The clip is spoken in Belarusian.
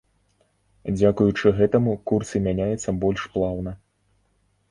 Дзякуючы гэтаму, курсы мяняюцца больш плаўна.